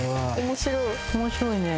面白いね。